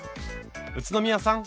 宇都宮さん。